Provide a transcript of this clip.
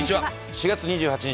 ４月２８日